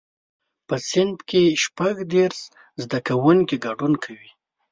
په صنف کې شپږ دیرش زده کوونکي ګډون کوي.